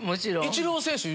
イチロー選手